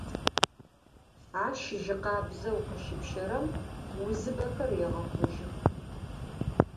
Ащ жьы къабзэу къыщэпщэрэм узыбэхэр егъэхъужьых.